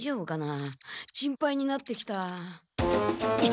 心配になってきた。